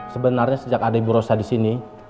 sebenarnya sejak ada bu rosa disini